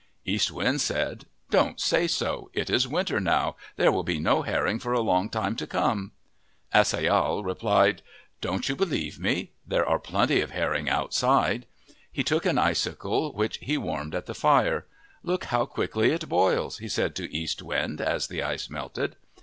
East Wind said, " Don't say so. It is winter now. There will be no herring for a long time to come." As ai yahal replied, "Don't you believe me? There are plenty of herring outside." He took an icicle which he warmed at the fire. " Look how quickly it boils," he said to East Wind as the ice melted.